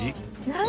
何？